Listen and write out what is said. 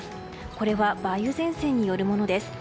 これは梅雨前線によるものです。